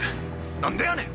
何でやねん！